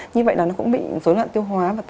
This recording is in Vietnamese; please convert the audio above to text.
như vậy là nó cũng bị dối loạn tiêu hóa